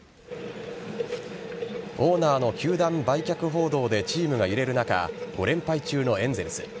オーナーの球団売却報道でチームが揺れる中５連敗中のエンゼルス。